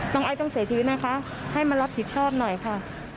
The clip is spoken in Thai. ไอซ์ต้องเสียชีวิตนะคะให้มารับผิดชอบหน่อยค่ะ